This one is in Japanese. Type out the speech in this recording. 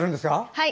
はい。